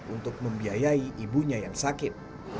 untuk membiayai ibunya yang sakit